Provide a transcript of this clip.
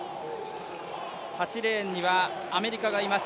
８レーンにはアメリカがいます。